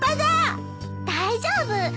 大丈夫。